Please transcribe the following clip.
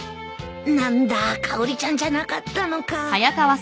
何だかおりちゃんじゃなかったのか